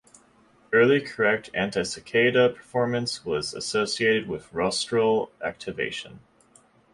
Early correct anti-saccade performance was associated with rostral activation.